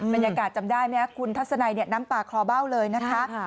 บรรยากาศจำได้ไหมครับคุณทัศนัยน้ำป่าคลอเบ้าเลยนะคะ